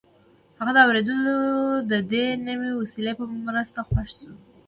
هغه د اورېدلو د دې نوې وسیلې په مرسته خوښ و